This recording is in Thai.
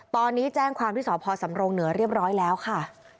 ตอนนี้แจ้งความที่สพสำรงเหนือเรียบร้อยแล้วค่ะ